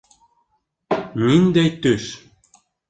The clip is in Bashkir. Ниндәй төш...